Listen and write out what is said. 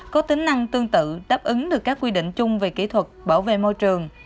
có tính năng tương tự đáp ứng được các quy định chung về kỹ thuật bảo vệ môi trường